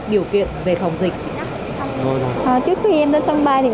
một phong viên xanh